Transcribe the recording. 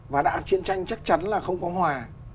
và đã chiến tranh chắc chắn là không có hòa